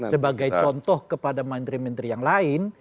sebagai contoh kepada menteri menteri yang lain